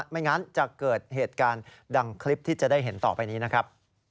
ไม่งั้นจะเกิดเหตุการณ์ดังคลิปที่จะได้เห็นต่อไปนี้นะครับ